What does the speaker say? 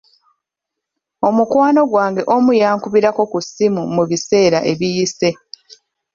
Mukwano gwange omu yankubirako ku ssimu mu biseera ebiyise.